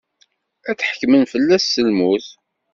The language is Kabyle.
Ad ḥekkmen fell-as s lmut.